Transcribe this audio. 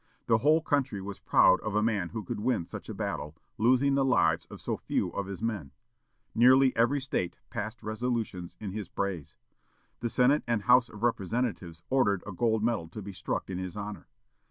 The whole country was proud of a man who could win such a battle, losing the lives of so few of his men. Nearly every State passed resolutions in his praise. The Senate and House of Representatives ordered a gold medal to be struck in his honor.